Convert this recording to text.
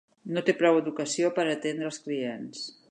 No té prou educació per a atendre els clients.